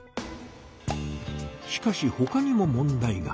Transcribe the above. しかしほかにも問題が。